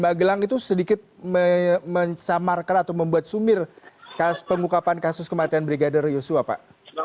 magelang itu sedikit mensamarkan atau membuat sumir pengukapan kasus kematian brigadir yosua pak